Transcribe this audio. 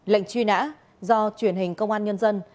lệnh truy nã do truyền hình công an nhân dân